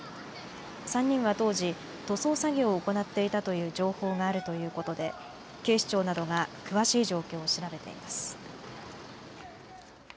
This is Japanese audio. ３人は当時、塗装作業を行っていたという情報があるということで警視庁などが詳しい状況を調べています。